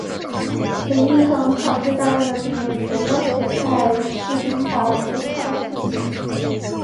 林立衡跑去大院的警卫处要求派士兵保护她的父亲。